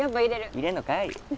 入れんのかい